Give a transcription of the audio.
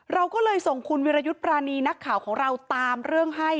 เราก็เลยส่งคุณวิรยุทธ์ปรานีนักข่าวของเราตามเรื่องให้